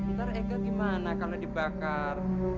ntar ega gimana kalau dibakar